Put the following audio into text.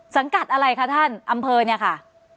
สังกัดอะไรคะท่านอำเภอเนี่ยค่ะ